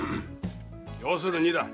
要するにだ